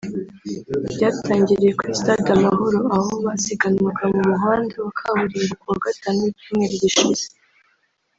ryatangiriye kuri Stade Amahoro aho basiganwaga mu muhanda wa kaburimbo kuwa Gatanu w’icyumweru gishize